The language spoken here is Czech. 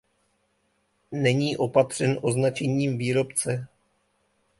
Není opatřen označením výrobce.